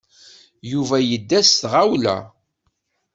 Yuba yedda s tɣawla.